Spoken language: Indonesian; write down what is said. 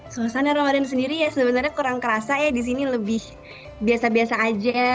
suasana ramadan sendiri ya sebenarnya kurang kerasa ya di sini lebih biasa biasa aja